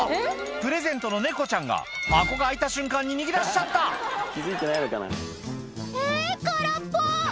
プレゼントの猫ちゃんが箱が開いた瞬間に逃げ出しちゃった「え空っぽ！」